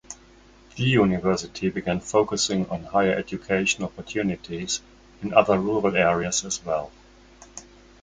The university began focusing on higher education opportunities in other rural areas as well.